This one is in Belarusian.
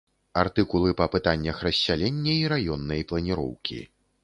Артыкулы па пытаннях рассялення і раённай планіроўкі.